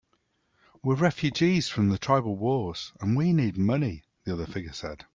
"We're refugees from the tribal wars, and we need money," the other figure said.